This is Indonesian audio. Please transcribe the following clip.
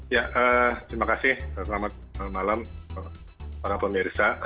ya terima kasih selamat malam para pemirsa